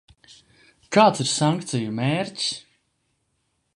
Kāds ir sankciju mērķis?